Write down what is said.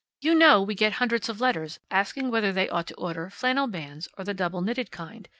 You know we get hundreds of letters asking whether they ought to order flannel bands, or the double knitted kind.